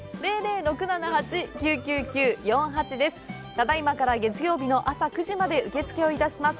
ただ今から月曜日の朝９時まで受け付けをいたします。